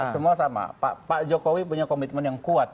semua sama pak jokowi punya komitmen yang kuat